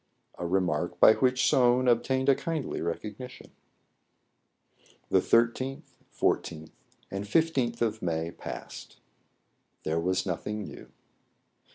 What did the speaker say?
A remark by which Soun obtained a kindly recognition. The 13th, 14th, and isth of May passed. There was nothing new.